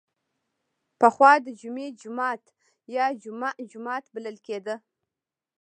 پخوا د جمعې جومات یا جمعه جومات بلل کیده.